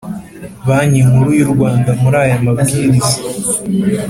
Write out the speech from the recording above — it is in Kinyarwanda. Banki Nkuru y u Rwanda muri aya mabwiriza